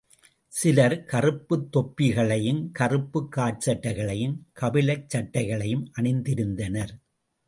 சிலர் கறுப்புத் தொப்பிகளையும் கறுப்புக் காற்சட்டைகளையும், கபிலச்சட்டைகளையும் அணிந்திருந்தனர்.